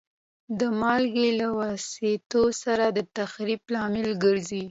دا مالګه له وسایطو سره د تخریب لامل ګرځي.